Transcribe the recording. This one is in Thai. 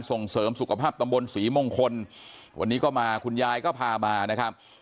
ส่งเสริมสุขภาพตำบลศรีมงคลวันนี้ก็มาคุณยายก็พามานะครับ